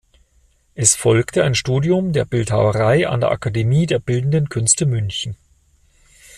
Es folgte ein Studium der Bildhauerei an der Akademie der Bildenden Künste München.